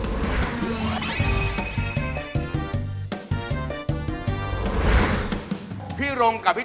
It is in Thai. มันก็ไปซื้อเองสิ